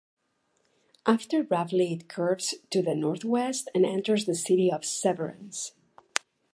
After roughly it curves to the northwest and enters the city of Severance.